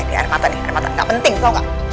air mata nih air mata gak penting tau gak